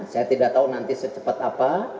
saya tidak tahu nanti secepat apa